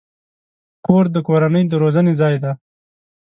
کور د کورنۍ د روزنې ځای دی.